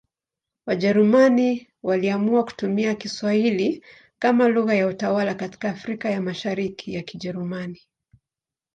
Wajerumani waliamua kutumia Kiswahili kama lugha ya utawala katika Afrika ya Mashariki ya Kijerumani.